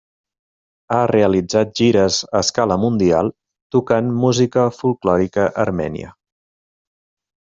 Ha realitzat gires a escala mundial tocant música folklòrica armènia.